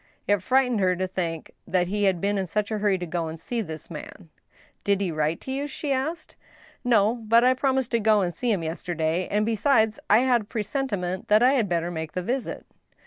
It frightened her to think that he had been in such a hurry to go and see this man. " Did he write to you ?" she asked. 'IN THE ASHES, I2S " No, but I promised to go and see him yesterday ; and, be sides, I had a presentinient that I had better make the visit.!